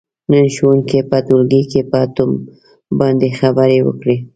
نن ښوونکي په ټولګي کې په اتوم باندې خبرې وکړلې.